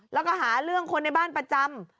แล้วก็หาเรื่องคนในบ้านประจำ